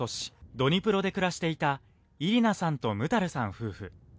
ドニプロで暮らしていたイリナさんとムタルさん夫婦。